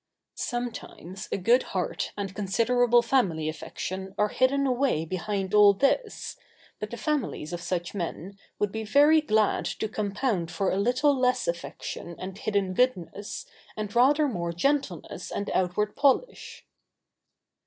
Sometimes a good heart and considerable family affection are hidden away behind all this, but the families of such men would be very glad to compound for a little less affection and hidden goodness and rather more gentleness and outward polish.